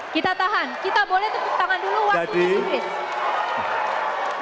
kita tahan kita boleh tepuk tangan dulu waktunya di inggris